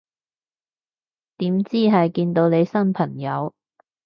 點知係見到你新朋友